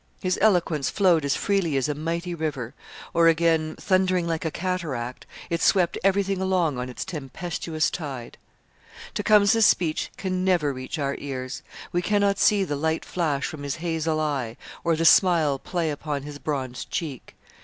His eloquence flowed as freely as a mighty river, or again, thundering like a cataract, it swept everything along on its tempestuous tide. Tecumseh's speech can never reach our ears; we cannot see the light flash from his hazel eye or the smile play upon his bronzed cheek.